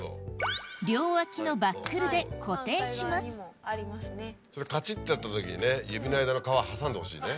両脇のバックルでそれカチってやった時にね指の間の皮挟んでほしいね。